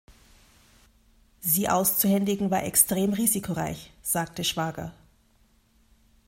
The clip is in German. Sie auszuhändigen war extrem risikoreich“, sagte Schwager.